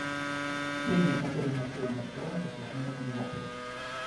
Прения, которые мы сегодня открываем, посвящены этому вопросу.